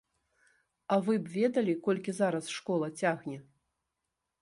А вы б ведалі, колькі зараз школа цягне!